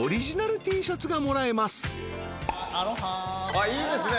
あっいいですね。